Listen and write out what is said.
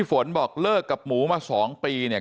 ฝนบอกเลิกกับหมูมา๒ปีเนี่ย